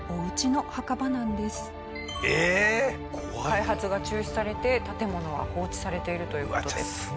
開発が中止されて建物は放置されているという事です。